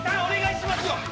お願いしますよ！